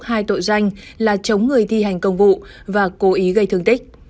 hai tội danh là chống người thi hành công vụ và cố ý gây thương tích